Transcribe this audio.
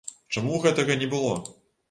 Чаму гэтага не было?